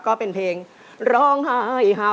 เพื่อจะไปชิงรางวัลเงินล้าน